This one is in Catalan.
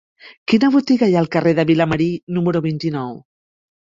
Quina botiga hi ha al carrer de Vilamarí número vint-i-nou?